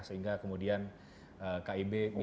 sehingga kemudian kib bisa